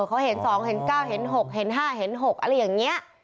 เขาเห็น๒เห็น๙เห็น๖เห็น๕เห็น๖อะไรอย่างนี้